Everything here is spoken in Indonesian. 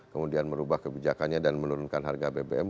kemudian merubah kebijakannya dan menurunkan harga bbm